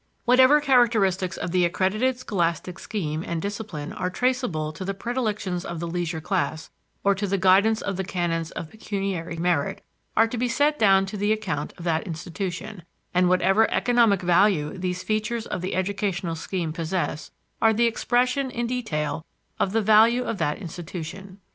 Whatever characteristics of the accredited scholastic scheme and discipline are traceable to the predilections of the leisure class or to the guidance of the canons of pecuniary merit are to be set down to the account of that institution, and whatever economic value these features of the educational scheme possess are the expression in detail of the value of that institution.